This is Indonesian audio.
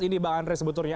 ini bang andre sebetulnya